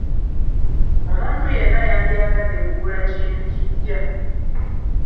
Omuntu yenna yandyagadde kugula kintu kiggya.